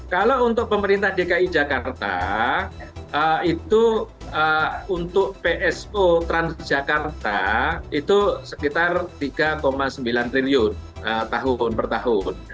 kalau untuk pemerintah dki jakarta itu untuk pso transjakarta itu sekitar tiga sembilan triliun tahun per tahun